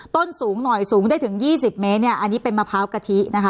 สูงหน่อยสูงได้ถึงยี่สิบเมตรเนี่ยอันนี้เป็นมะพร้าวกะทินะคะ